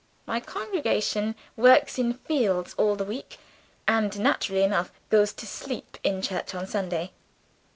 My congregation works in the fields all the week, and naturally enough goes to sleep in church on Sunday.